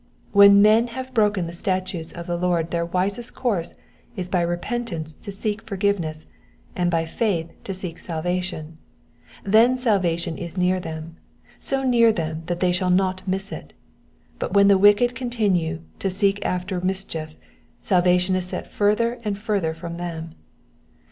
When pien have broken the statutes of the Lord their wisest course is by repentance to seek forgiveness, and by faith to seek salvation : then salvation is near them, so near them that they shall not miss it ; but when the wicked continue to seek after mischief, salvation is set further and further from them.